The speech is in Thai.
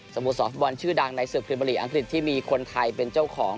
สมมุติสอฟท์บอลชื่อดังในศึกษ์พิมพลีอังกฤษที่มีคนไทยเป็นเจ้าของ